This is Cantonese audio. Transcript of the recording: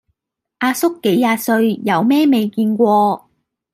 阿叔幾廿歲，有咩未見過